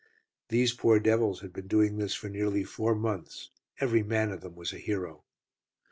These poor devils had been doing this for nearly four months, every man of them was a hero.